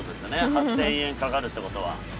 ８，０００円かかるってことは。